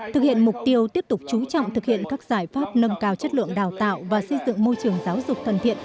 thực hiện mục tiêu tiếp tục chú trọng thực hiện các giải pháp nâng cao chất lượng đào tạo và xây dựng môi trường giáo dục thân thiện